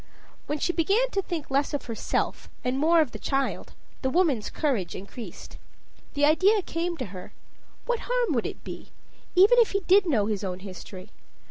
When she began to think less of herself and more of the child, the woman's courage increased. The idea came to her what harm would it be, even if he did know his own history?